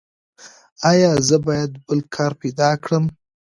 ایا زه باید بل کار پیدا کړم؟